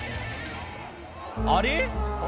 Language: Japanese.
あれ？